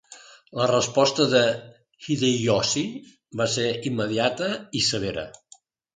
La resposta de Hideyoshi va ser immediata i severa.